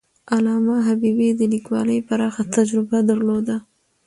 علامه حبيبي د لیکوالۍ پراخه تجربه درلوده.